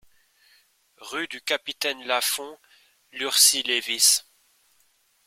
Rue du Capitaine Lafond, Lurcy-Lévis